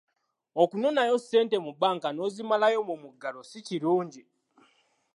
Okunoonayo ssente mu banka n’ozimalayo mu muggalo si kirungi.